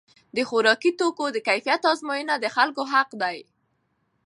د خوراکي توکو د کیفیت ازموینه د خلکو حق دی.